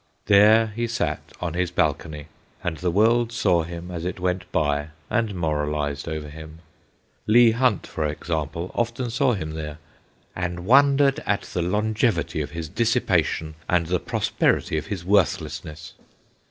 There he sat on his balcony, and the world saw him as it went by and moralised over him. Leigh Hunt, for example, often saw him there, ' and wondered at the longevity of his dissipation and the prosperity of his worthlessness.'